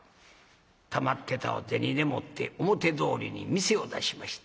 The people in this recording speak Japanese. たまってた銭でもって表通りに店を出しました。